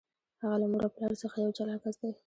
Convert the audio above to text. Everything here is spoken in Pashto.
هغه له مور او پلار څخه یو جلا کس دی.